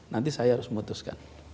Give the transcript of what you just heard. nanti saya harus memutuskan